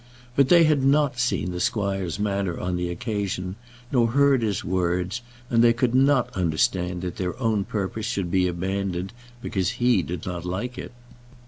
But they had not seen the squire's manner on the occasion, nor heard his words, and they could not understand that their own purpose should be abandoned because he did not like it.